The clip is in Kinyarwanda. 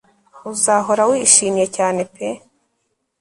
uzahora wishimye cyane pe